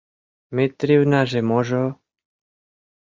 — Митривнаже-можо...